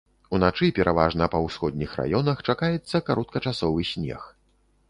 Уначы, пераважна па ўсходніх раёнах, чакаецца кароткачасовы снег.